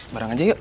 barang aja yuk